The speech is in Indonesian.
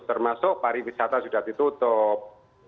termasuk pariwisata sudah ditutup